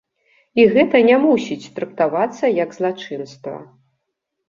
І гэта не мусіць трактавацца як злачынства.